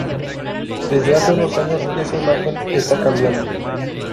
Desde hace unos anos esa imagen está cambiando.